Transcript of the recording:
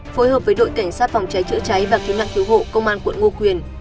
phối hợp với đội cảnh sát phòng cháy chữa cháy và cứu nạn cứu hộ công an quận ngo quyền